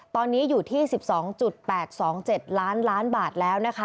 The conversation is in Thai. ตอนนี้อยู่ที่๑๒๘๒๗ล้านล้านบาทแล้วนะคะ